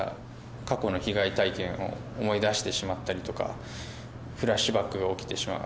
過去の被害体験を思い出してしまったりとか、フラッシュバックが起きてしまう。